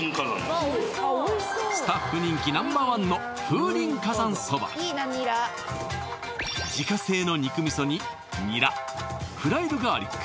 スタッフ人気Ｎｏ．１の自家製の肉味噌にニラフライドガーリック